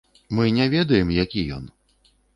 Мы не ведаем, які ён.